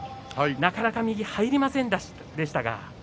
なかなか右が入りませんでしたが。